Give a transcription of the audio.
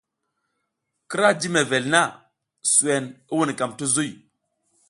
Kira jiy mevel na, suwen i wunukam ti zuy.